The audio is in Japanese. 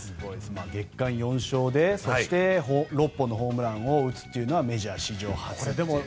月間４勝で６本のホームランを打つのはメジャー史上初という。